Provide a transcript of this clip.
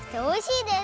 おいしい！